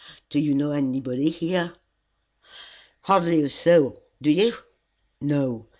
Do you know anybody here?" "Hardly a soul! Do you?" "No.